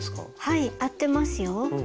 はい合ってますよ。